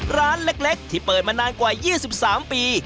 ร้านเล็กที่เปิดมานานกว่า๒๓ปี